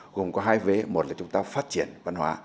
gồm có hai vế một là chúng ta phát triển văn hóa